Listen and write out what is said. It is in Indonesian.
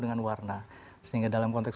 dengan warna sehingga dalam konteks